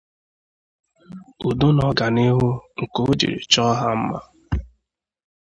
udo na ọganihu nke o jiri chọọ ha mma